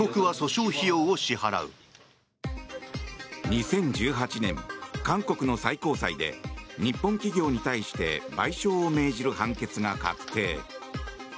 ２０１８年、韓国の最高裁で日本企業に対して賠償を命じる判決が確定。